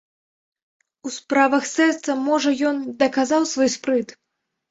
У справах сэрца, можа, ён даказаў свой спрыт.